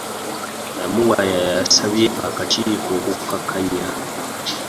Namuwaya yasabye akakiiko okukkaanya